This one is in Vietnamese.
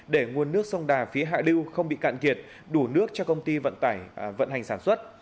để nguồn nước sông đà phía hạ điêu không bị cạn kiệt đủ nước cho công ty vận hành sản xuất